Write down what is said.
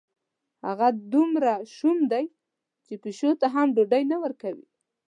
هغه دومره شوم دی، چې پیشو ته هم ډوډۍ نه ورکوي.